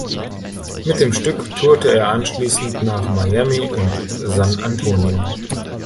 Mit dem Stück tourte er anschließend nach Miami und San Antonio.